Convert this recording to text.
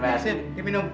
terima kasih dipinum